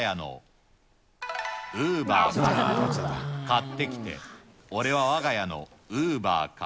買ってきて俺は我が家のウーバーか。